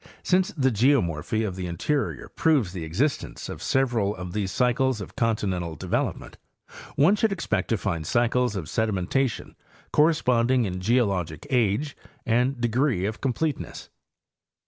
Since the geomorphy of the interior proves the existence of several of these cycles of continental development, one should expect to find cycles of sedimentation corresponding in geologic age and degree of completeness.